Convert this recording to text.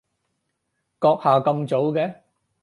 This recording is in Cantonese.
閣下咁早嘅？